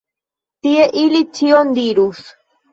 Tie ili ĉion dirus.